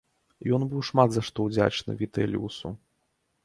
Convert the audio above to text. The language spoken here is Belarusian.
Ён быў шмат за што ўдзячны Вітэліусу.